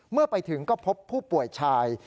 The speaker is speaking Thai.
เมื่อไปถึงก็พบผู้ป่วยชาย